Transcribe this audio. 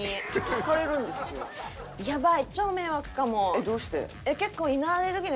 えっどうして？